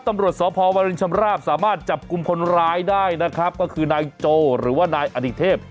ตำรวจสพวรินชำราบสามารถจับกลุ่มคนร้ายได้นะครับก็คือนายโจหรือว่านายอดิเทพ